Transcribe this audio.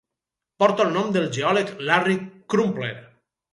Porta el nom del geòleg Larry Crumpler.